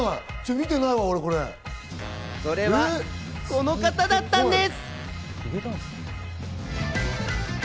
見てないわ、それはこの方だったんです。